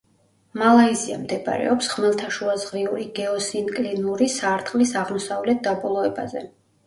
მალაიზია მდებარეობს ხმელთაშუაზღვიური გეოსინკლინური სარტყლის აღმოსავლეთ დაბოლოებაზე.